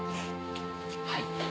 はい。